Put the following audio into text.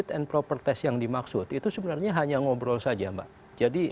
fit and proper test yang dimaksud itu sebenarnya hanya ngobrol saja mbak